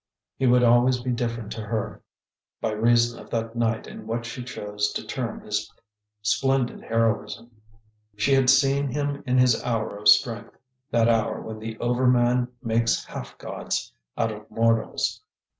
He would always be different to her, by reason of that night and what she chose to term his splendid heroism. She had seen him in his hour of strength, that hour when the overman makes half gods out of mortals.